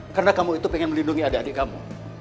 karena kamu itu pengen melindungi adik adik kamu